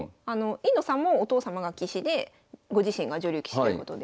飯野さんもお父様が棋士でご自身が女流棋士ということで。